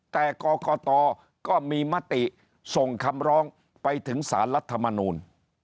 แต่กรกตก็มีมติส่งคำร้องไปถึงสารรัฐมนูล